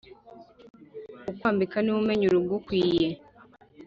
Ukwambika niwe umenya urugukwiye